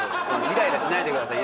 イライラしないでください。